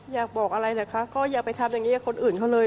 อยากบอกอะไรนะคะก็อย่าไปทำอย่างนี้กับคนอื่นเขาเลย